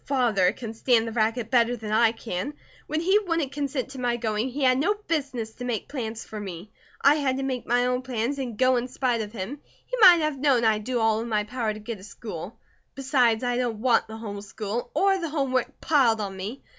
Father can stand the racket better than I can. When he wouldn't consent to my going, he had no business to make plans for me. I had to make my own plans and go in spite of him; he might have known I'd do all in my power to get a school. Besides, I don't want the home school, or the home work piled on me.